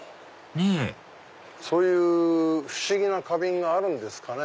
ねぇそういう不思議な花瓶があるんですかね。